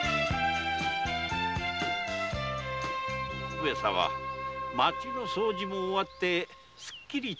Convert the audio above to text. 上様町の掃除も終わってすっきりと致しましたな。